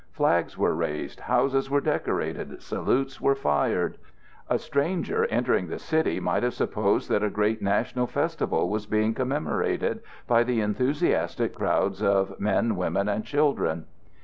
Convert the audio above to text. Flags were raised, houses were decorated, salutes were fired; a stranger entering the city might have supposed that a great national festival was being commemorated by the enthusiastic crowds of men, women, and children.